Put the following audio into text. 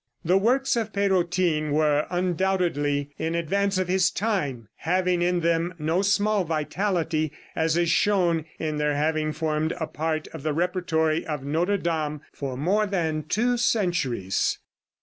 The works of Pérotin were undoubtedly in advance of his time, having in them no small vitality, as is shown in their having formed a part of the repertory of Notre Dame for more than two centuries.